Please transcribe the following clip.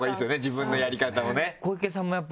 自分のやり方をね。